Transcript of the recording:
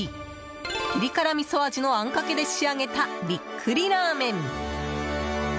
ピリ辛みそ味のあんかけで仕上げた、ビックリラーメン。